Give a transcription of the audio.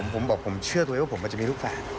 ผมบอกผมเชื่อตัวเองว่าผมอาจจะมีลูกแฝด